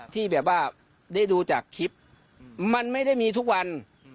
ที่แบบว่าได้ดูจากคลิปมันไม่ได้มีทุกวัน